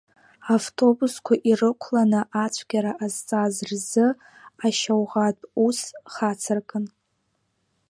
Автобусқәа ирықәланы ацәгьара ҟазҵаз рзы ашьауӷатә ус хацыркын.